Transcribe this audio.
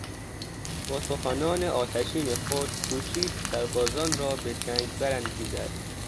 با سخنان آتشین خود کوشید سربازان را به جنگ برانگیزد.